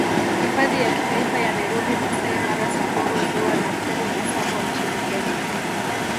Hifadhi ya Kitaifa ya Nairobi Masai Mara Samburu Ziwa Nakuru na Tsavo nchini Kenya